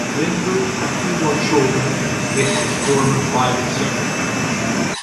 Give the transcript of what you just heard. Lindbergh had two more children with his former private secretary.